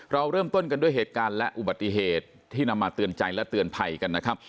เราเริ่มต้นกันด้วยเหตุการณ์และอุบัติเหตุที่นำมาเตือนใจและเตือนภัยกันนะครับ